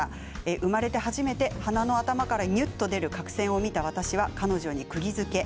生まれて初めて鼻の頭からにゅっと出る角栓を見て私は彼女にくぎづけ。